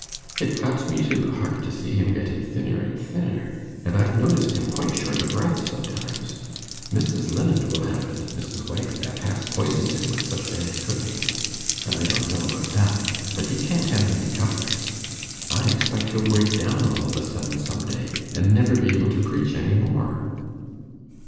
It cuts me to the heart to see him getting thinner and thinner, and I've noticed him quite short o' breath sometimes. Mrs. Linnet will have it, Mrs. Wagstaff half poisons him with bad cooking. I don't know about that, but he can't have many comforts. I expect he'll break down all of a sudden some day, and never be able to preach any more.